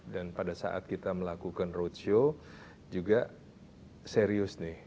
dan pada saat kita melakukan roadshow juga serius nih